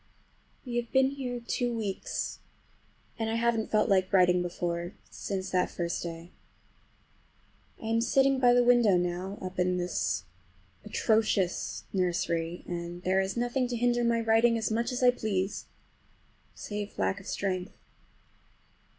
We have been here two weeks, and I haven't felt like writing before, since that first day. I am sitting by the window now, up in this atrocious nursery, and there is nothing to hinder my writing as much as I please, save lack of strength.